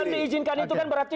kan diizinkan itu kan berarti